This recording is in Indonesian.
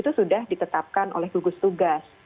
itu sudah ditetapkan oleh gugus tugas